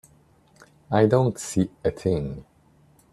I don't see a thing.